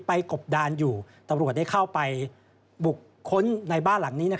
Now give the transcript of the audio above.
กบดานอยู่ตำรวจได้เข้าไปบุกค้นในบ้านหลังนี้